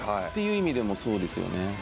っていう意味でもそうですよね。